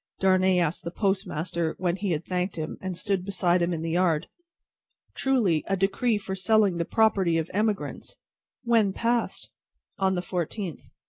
Darnay asked the postmaster, when he had thanked him, and stood beside him in the yard. "Truly, a decree for selling the property of emigrants." "When passed?" "On the fourteenth."